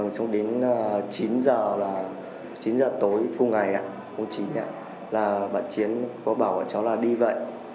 trong đến chín giờ tối cùng ngày bọn triển có bảo bọn cháu là đi vậy